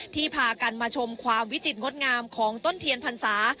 พากันมาชมความวิจิตรงดงามของต้นเทียนพรรษา